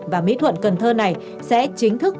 và mỹ thuận cần thơ này sẽ chính thức